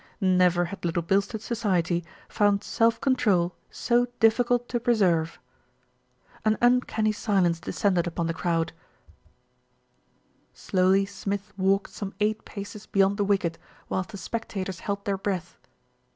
Never had Little Bilstead society found self control so difficult to preserve. An uncanny silence descended upon the crowd. 200 THE RETURN OF ALFRED Slowly Smith walked some eight paces beyond the wicket, whilst the spectators held their breath.